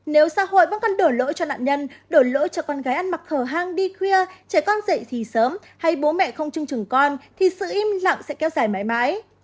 nếu xã hội vẫn còn đổ lỗi cho nạn nhân đổ lỗi cho con gái ăn mặc hở hang đi khuya trẻ con dậy thì sớm hay bố mẹ không chưng trừng con thì sự im lặng sẽ kéo dài mãi mãi